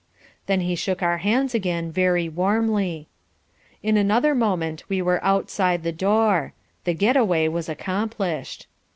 Then he shook our hands again, very warmly. In another moment we were outside the door. The get away was accomplished.